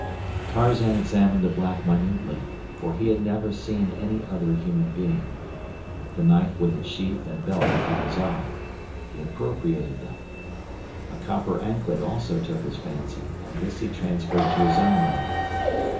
Tarzan examined the black minutely, for he had never seen any other human being. The knife with its sheath and belt caught his eye; he appropriated them. A copper anklet also took his fancy, and this he transferred to his own leg.